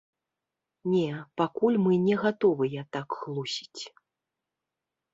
Не, пакуль мы не гатовыя так хлусіць.